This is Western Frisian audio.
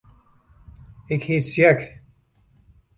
Ik hjit Jack.